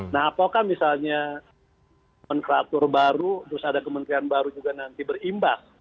nah apakah misalnya meneratur baru terus ada kementerian baru juga nanti berimbas